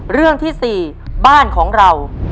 เรื่องที่๔บ้านของเรา